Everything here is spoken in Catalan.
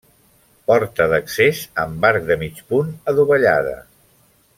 Porta d'accés amb arc de mig punt adovellada.